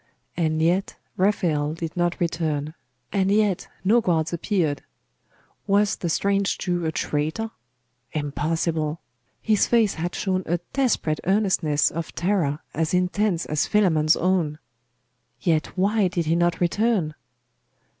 And yet Raphael did not return: and yet no guards appeared. Was the strange Jew a traitor? Impossible! his face had shown a desperate earnestness of terror as intense as Philammon's own.... Yet why did he not return?